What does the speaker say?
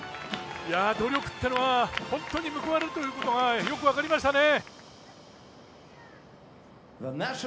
努力ってのは本当に報われるということがよく分かりましたね。